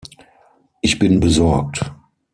Ich bin besorgt.